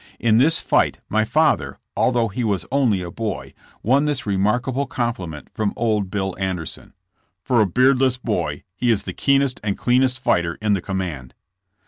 In this fight my father, although he was only a boy, won this remarkable compliment from old Bill Anderson : ''For a beardless boy he is the keenest and cleanest fighter in the command."